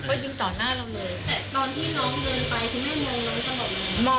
วันที่สุดท้าย